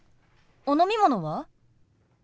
お飲み物は？